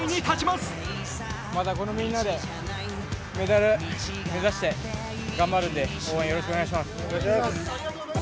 またこのみんなでメダル目指して頑張るので、応援よろしくお願いします。